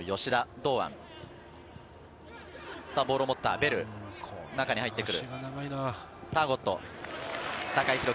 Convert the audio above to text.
さぁ、ボールを持ったベル、中に入ってくる。